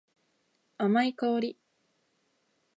甘い香り。